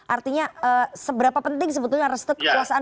artinya seberapa penting sebetulnya restu kekuasaan